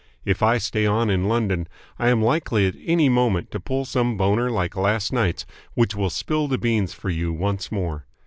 If I stay on in London, I am likely at any moment to pull some boner like last night's which will spill the beans for you once more.